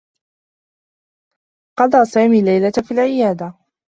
قضى سامي اللّيلة في العيادة.